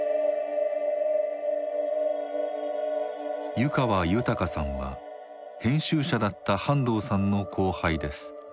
湯川豊さんは編集者だった半藤さんの後輩です。